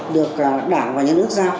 được đảng và nhân ước giao